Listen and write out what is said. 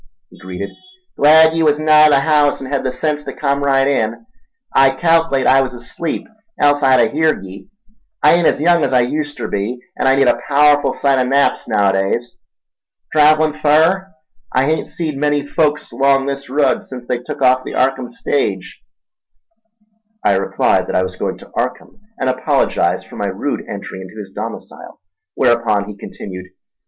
he greeted. "Glad ye was nigh the haouse en' hed the sense ta come right in. I calc'late I was asleep, else I'd a heerd ye—I ain't as young as I uster be, an' I need a paowerful sight o' naps naowadays. Trav'lin' fur? I hain't seed many folks 'long this rud sence they tuk off the Arkham stage." I replied that I was going to Arkham, and apologised for my rude entry into his domicile, whereupon he continued.